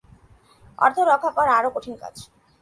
অর্থ রক্ষা করা আরও কঠিন কাজ।